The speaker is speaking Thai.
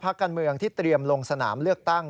การเมืองที่เตรียมลงสนามเลือกตั้ง